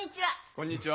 こんにちは。